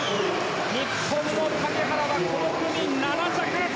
日本の竹原は、この組７着。